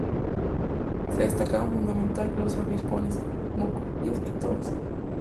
Se destacaban fundamentalmente los abipones, mocovíes y tobas.